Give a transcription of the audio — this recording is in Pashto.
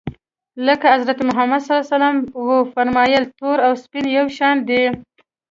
لکه حضرت محمد ص و فرمایل تور او سپین یو شان دي.